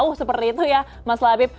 oh seperti itu ya mas labib